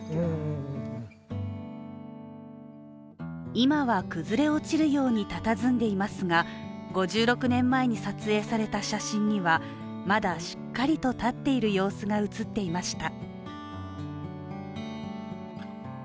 今は崩れ落ちるようにたたずんでいますが５６年前に撮影された写真にはまだしっかりと立っている様子が写っていました。